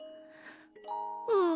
うん。